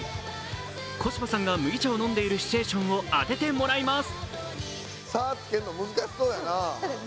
小芝さんが麦茶を飲んでいるシチュエーションを当ててもらいます。